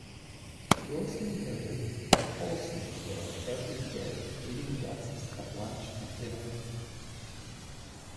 Wilson noted that Olsen is there every day greeting guests at lunch and dinner...